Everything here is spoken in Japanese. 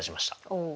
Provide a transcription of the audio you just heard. おお。